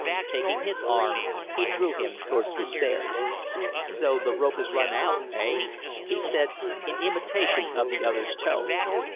Taking his arm, he drew him towards the stairs. "So the rope has run out, eh?" he said, in imitation of the other's tone.